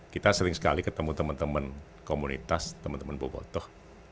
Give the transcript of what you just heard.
kita sering sekali ketemu teman teman komunitas teman teman bobotoh